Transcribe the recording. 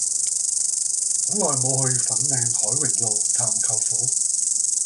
好耐無去粉嶺凱榮路探舅父